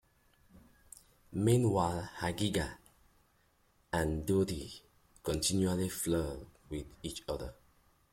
Meanwhile, Hagitha and Doughy continuously flirt with each other.